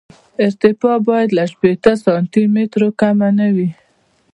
ارتفاع باید له شپېته سانتي مترو کمه نه وي